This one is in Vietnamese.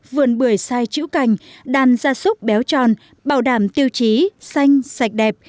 vườn bưởi sai chữ cành đàn gia súc béo tròn bảo đảm tiêu chí xanh sạch đẹp